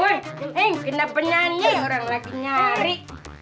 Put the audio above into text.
eh kenapa nyanyi orang lagi nyari